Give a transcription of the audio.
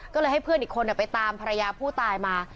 ก็เลยให้เพื่อนอีกคนไปตามภรรยาผู้ตายมา